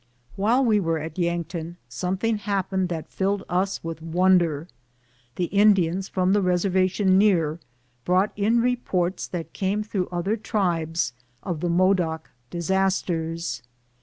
While we were at Yankton, something happened that 86 BOOTS AND SADDLES. filled US with wonder. The Indians from the reserva tion near brought in reports that came through other tribes of the Modoc disasters.